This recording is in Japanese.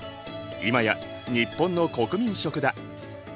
今や日本の国民食だ。